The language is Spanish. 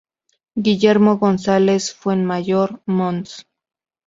Guillermo González Fuenmayor, Mons.